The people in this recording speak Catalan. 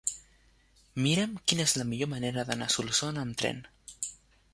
Mira'm quina és la millor manera d'anar a Solsona amb tren.